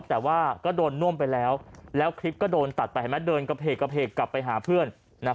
แต่ว่าก็โดนน่วมไปแล้วแล้วคลิปก็โดนตัดไปเห็นไหมเดินกระเพกกลับไปหาเพื่อน